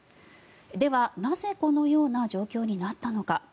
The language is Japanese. では、なぜこのような状況になったのか。